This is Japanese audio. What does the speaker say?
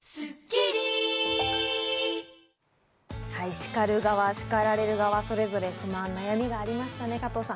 叱る側、叱られる側、それぞれ悩みがありましたね、加藤さん。